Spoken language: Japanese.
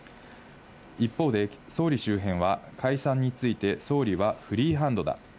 一方で、総理周辺は解散について総理はフリーハンドだ。